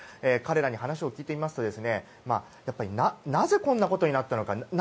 彼らに話を聞いてみますとなぜこんなことになったのか。